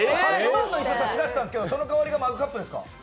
８万の椅子差し出したんですけどその代わりがマグカップですか？